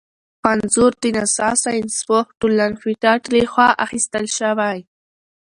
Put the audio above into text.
انځور د ناسا ساینسپوه ډونلډ پېټټ لخوا اخیستل شوی.